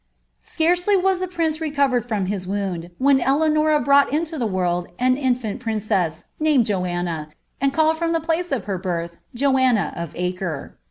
Scarcely was the prince recovered from his wound, when Eleanon brought iuio tlie world an infant princess, named Joanna, and called bma the plac« of her bittli, Joanna of Acre.'